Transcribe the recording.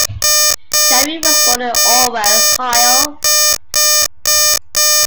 Chaffee was born in Orwell, Ohio.